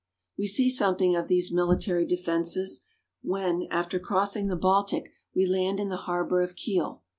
We see something of these military defenses when, after crossing the Baltic, we land in the harbor of Kiel.